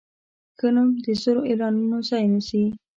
ښه نوم د زر اعلانونو ځای نیسي.